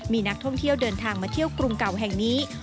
มีนักท่องเที่ยวเดินทางมาเที่ยวกรุงเก่าแห่งนี้